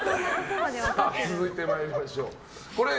続いて参りましょう。